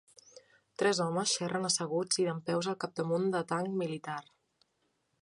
Tres homes xerren asseguts i dempeus al capdamunt de tanc militar.